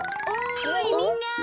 おいみんな！